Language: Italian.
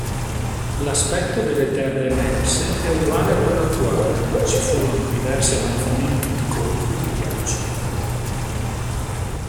L'aspetto delle terre emerse è uguale a quello attuale ma ci furono diversi avanzamenti di coltri di ghiaccio.